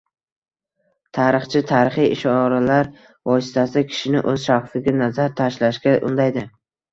Tarixchi tarixiy ishoralar vositasida kishini o‘z shaxsiga nazar tashlashga undaydi